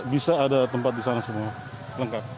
bisa ada tempat di sana semua lengkap